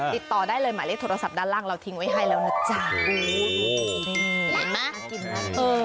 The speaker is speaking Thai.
ติดต่อได้เลยหมายเลขโทรศัพท์ด้านล่างเราทิ้งไว้ให้แล้วนะจ๊ะนี่เห็นไหมน่ากินมากเออ